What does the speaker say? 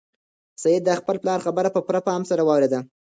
سعید د خپل پلار خبره په پوره پام سره واورېده.